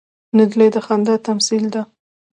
نجلۍ د خندا تمثیل ده.